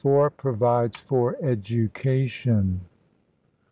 PROVIDES FOR EDUCATION.